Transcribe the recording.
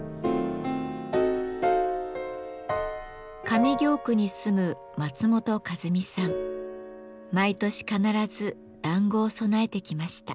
上京区に住む毎年必ず団子を供えてきました。